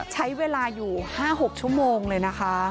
ใช้เวลาอยู่๕๖ชั่วโมงเลยนะคะ